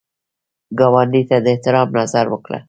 ګاونډي ته د احترام نظر وکړه